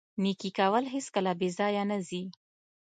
نیکي کول هیڅکله بې ځایه نه ځي.